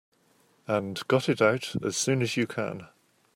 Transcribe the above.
And got it out as soon as you can.